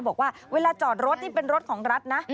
บอกว่าเวลาจอดรถนี่เป็นรถของรัฐนะ